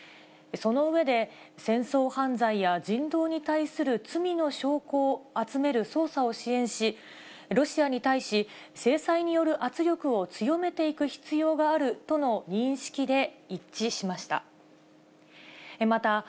その上で、戦争犯罪や人道に対する罪の証拠を集める捜査を支援し、ロシアに対し、制裁による圧力を強めていく必要があるとの認識で一致しました。